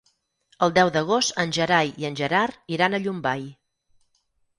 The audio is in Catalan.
El deu d'agost en Gerai i en Gerard iran a Llombai.